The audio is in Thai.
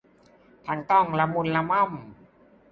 ทั้งต้องละมุนละม่อม